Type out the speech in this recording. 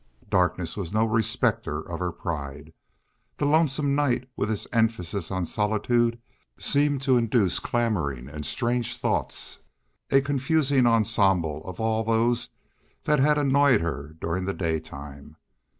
Darkness was no respecter of her pride. The lonesome night with its emphasis of solitude seemed to induce clamoring and strange thoughts, a confusing ensemble of all those that had annoyed her during the daytime.